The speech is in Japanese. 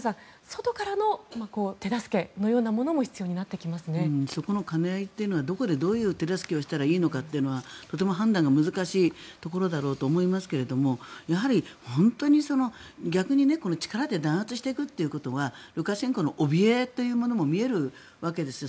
外からの手助けみたいなものもそこの兼ね合いというのはどこでどういう手助けをしたらいいのかというのはとても判断が難しいところだろうと思いますがやはり本当に逆にこの力で弾圧していくということはルカシェンコのおびえというものも見えるわけですよ。